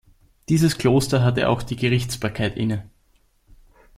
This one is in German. Dieses Kloster hatte auch die Gerichtsbarkeit inne.